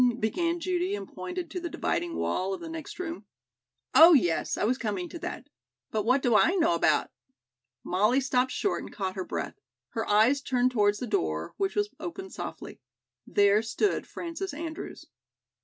began Judy and pointed to the dividing wall of the next room. "Oh, yes, I was coming to that. But what do I know about " Mollie stopped short and caught her breath. Her eyes turned towards the door, which was opened softly. There stood Frances Andrews.